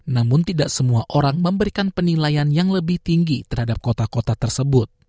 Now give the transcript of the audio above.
namun tidak semua orang memberikan penilaian yang lebih tinggi terhadap kota kota tersebut